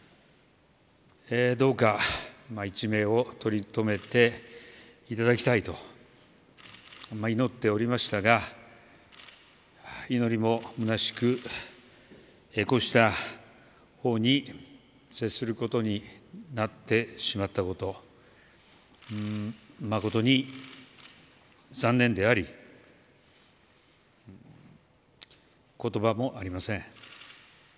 どうか一命を取り留めていただきたいと祈っておりましたが祈りもむなしくこうした報に接することになってしまったこと誠に残念であり言葉もありません。